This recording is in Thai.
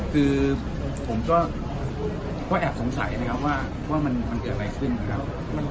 คือผมก็แอบสงสัยนะครับว่ามันเกิดอะไรขึ้นนะครับ